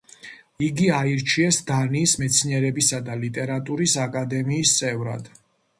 იგი აირჩიეს დანიის მეცნიერებისა და ლიტერატურის აკადემიის წევრად.